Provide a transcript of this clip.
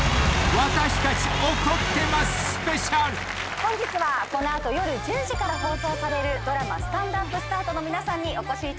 本日はこの後夜１０時から放送されるドラマ『スタンドＵＰスタート』の皆さんにお越しいただきました。